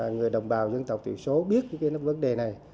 người đồng bào dân tộc tiểu số biết về vấn đề này